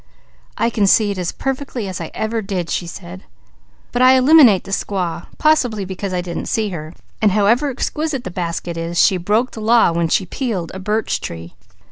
"I can see it as perfectly as I ever did," she said. "But I eliminate the squaw; possibly because I didn't see her. And however exquisite the basket is, she broke the law when she peeled a birch tree.